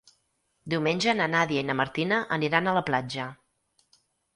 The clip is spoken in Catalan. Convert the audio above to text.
Diumenge na Nàdia i na Martina aniran a la platja.